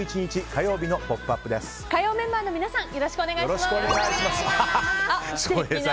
火曜メンバーの皆さんよろしくお願いします。